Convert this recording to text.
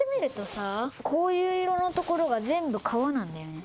こういう色のところが全部川なんだよね。